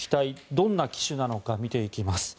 どんな機種なのか見ていきます。